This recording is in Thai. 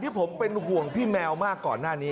ผมเป็นห่วงพี่แมวมากก่อนหน้านี้